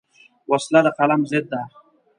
وسله د قلم ضد ده